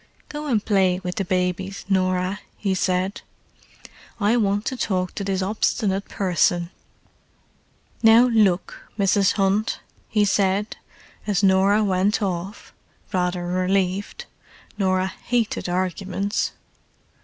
"Go and play with the babies, Norah," he said. "I want to talk to this obstinate person." "Now look, Mrs. Hunt," he said, as Norah went off, rather relieved—Norah hated arguments.